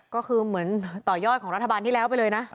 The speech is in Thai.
ก็คือเหมือนต่อยอดของรัฐบาลที่แล้วไปเลยนะ